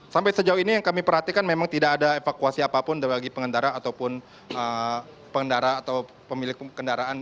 sampai sejauh ini yang kami perhatikan memang tidak ada evakuasi apapun bagi pengendara ataupun pengendara atau pemilik kendaraan